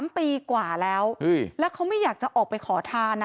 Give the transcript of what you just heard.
๓ปีกว่าแล้วแล้วเขาไม่อยากจะออกไปขอทานนะ